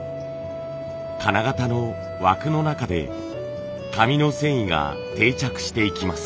金型の枠の中で紙の繊維が定着していきます。